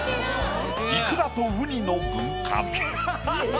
イクラとウニの軍艦。